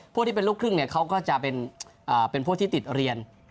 พวกที่เป็นลูกครึ่งเขาก็จะเป็นพวกที่ติดเรียน